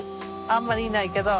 あんまりいないけど。